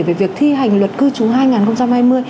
về việc thi hành luật cư trú hai nghìn hai mươi